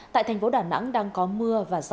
tại thành phố đà nẵng đang có mưa và gió giật